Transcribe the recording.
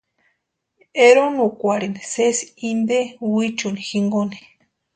Eronukwarhini sési inte wichuni jinkoni.